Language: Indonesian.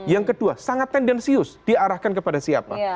yang kedua sangat tendensius diarahkan kepada siapa